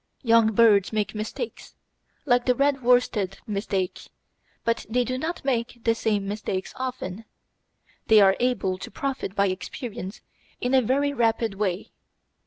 Young birds make mistakes, like the red worsted mistake, but they do not make the same mistakes often. They are able to profit by experience in a very rapid way.